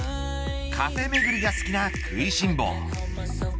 カフェ巡りが好きな食いしん坊。